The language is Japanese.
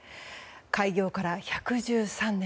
開業から１１３年。